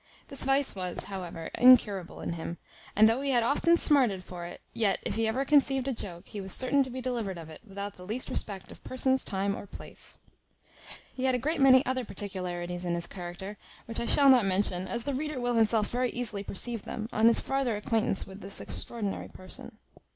This vice was, however, incurable in him; and though he had often smarted for it, yet if ever he conceived a joke, he was certain to be delivered of it, without the least respect of persons, time, or place. He had a great many other particularities in his character, which I shall not mention, as the reader will himself very easily perceive them, on his farther acquaintance with this extraordinary person.